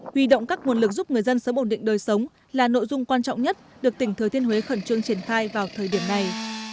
huy động các nguồn lực giúp người dân sớm ổn định đời sống là nội dung quan trọng nhất được tỉnh thừa thiên huế khẩn trương triển khai vào thời điểm này